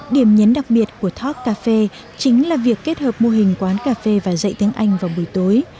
điểm nhấn đặc biệt của talkcafe chính là việc kết hợp mô hình quán cà phê và dạy tiếng anh vào buổi tối